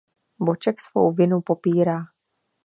Boček svou vinu popírá.